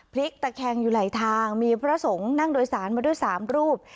พลิกตะแคงอยู่ไหลทางมีพระสงฆ์นั่งโดยสารมาด้วย๓รูป